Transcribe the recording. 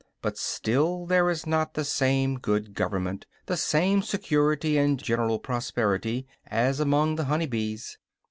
But still there is not the same good government, the same security and general prosperity, as among the honey bees.